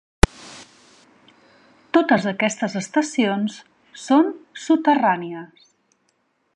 Totes aquestes estacions són soterrànies.